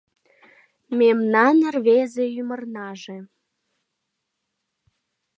Мемнан рвезе ӱмырнаже